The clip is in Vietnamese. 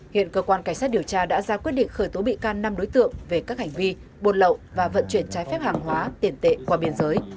hiện cơ quan cảnh sát điều tra đã ra quyết định khởi tố bị can năm đối tượng về các hành vi buôn lậu và vận chuyển trái phép hàng hóa tiền tệ qua biên giới